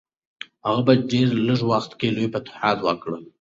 هغه په ډېر لږ وخت کې لوی فتوحات وکړل.